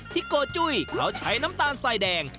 โกจุ้ยเขาใช้น้ำตาลสายแดง